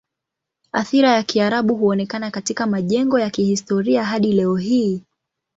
Athira ya Kiarabu huonekana katika majengo ya kihistoria hadi leo hii.